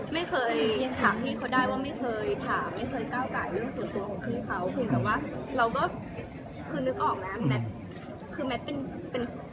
ไม่เคยถามพี่เขาได้ว่าไม่เคยถามไม่เคยก้าวไกลเรื่องส่วนตัวของพี่เขา